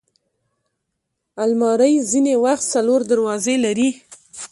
الماري ځینې وخت څلور دروازې لري